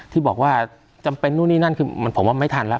ที่บอกว่าจำเป็นนู่นนี่นั่นคือผมว่าไม่ทันแล้ว